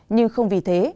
nhưng không vì thế